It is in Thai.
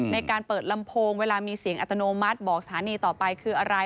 ในการเปิดลำโพงเวลามีเสียงอัตโนมัติบอกสถานีต่อไปคืออะไร